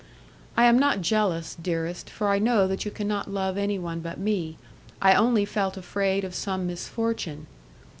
I am not jealous, dearest, for I know that you cannot love anyone but me; I only felt afraid of some misfortune.